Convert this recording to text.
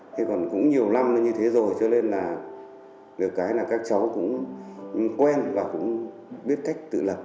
thế còn cũng nhiều năm như thế rồi cho nên là được cái là các cháu cũng quen và cũng biết cách tự lập